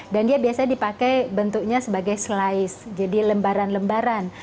dan dia biasanya dipakai bentuknya sebagai slice jadi lembaran lembaran